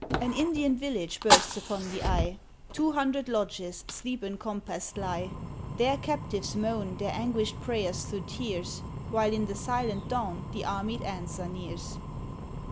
An Indian village bursts upon the eye; Two hundred lodges, sleep encompassed lie, There captives moan their anguished prayers through tears, While in the silent dawn the armied answer nears.